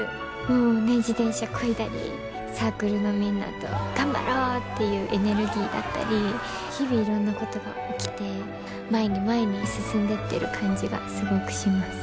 もうね自転車こいだりサークルのみんなと頑張ろうっていうエネルギーだったり日々いろんなことが起きて前に前に進んでってる感じがすごくします。